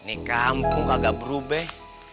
ini kampung agak berubah